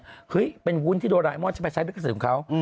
เฮ้ยเป็นวุ้นที่โดรายมอนจะไปใช้ลิขสิทธิ์ของเขา